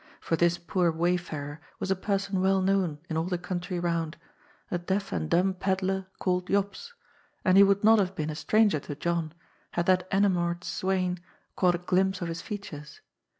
For this poor wayfarer was a person well known in all the country round, a deaf and dumb pedlar called Jops, and.he would not have been a stranger to John, had that enamoured swain caught a glimpse of his features.